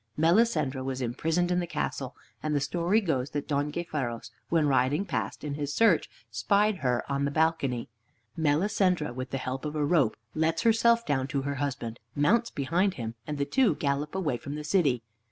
Melisendra was imprisoned in the castle, and the story goes that Don Gayferos, when riding past, in his search, spied her on the balcony. Melisendra, with the help of a rope, lets herself down to her husband, mounts behind him, and the two gallop away from the city.